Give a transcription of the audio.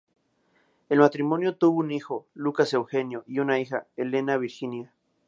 El matrimonio tuvo un hijo, Lucas Eugenio, y una hija, Elena Virginia.